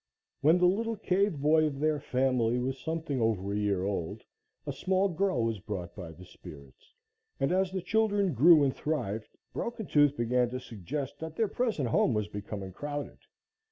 When the little cave boy of their family was something over a year old, a small girl was brought by the spirits, and as the children grew and thrived, Broken Tooth began to suggest that their present home was becoming crowded.